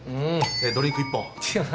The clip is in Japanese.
ドリンク１本。